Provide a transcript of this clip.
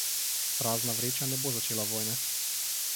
Prazna vreča ne bo začela vojne.